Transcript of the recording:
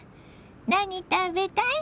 何食べたい？